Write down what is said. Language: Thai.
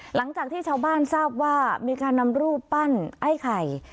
หลังจากที่ชาวบ้านทราบว่ามีการนำรูปปั้นไอ้ไข่